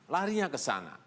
larinya ke sana